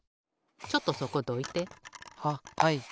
ちょっとそこどいて。ははい。